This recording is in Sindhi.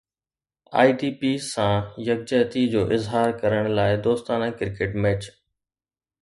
آئي ڊي پيز سان يڪجهتي جو اظهار ڪرڻ لاءِ دوستانه ڪرڪيٽ ميچ